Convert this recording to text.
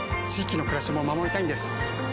域の暮らしも守りたいんです。